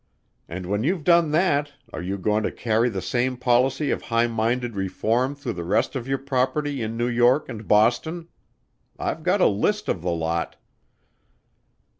And when you've done that are you going to carry the same policy of high minded reform through the rest of your property in New York find Boston? I've got a list of the lot."